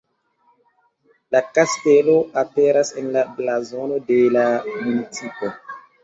La kastelo aperas en la blazono de la municipo.